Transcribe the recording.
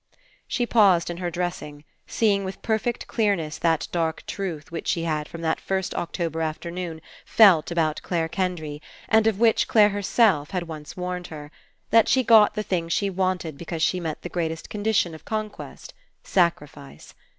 She paused in her dressing, seeing with perfect clearness that dark truth which she had from that first October afternoon felt about Clare Kendry and of which Clare herself had once warned her — that she got the things she wanted because she met the great condition of conquest, sacrifice.